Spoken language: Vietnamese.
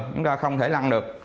chúng ta không thể lăn được